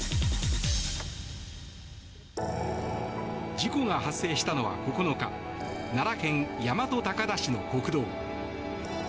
事故が発生したのは、９日奈良県大和高田市の国道。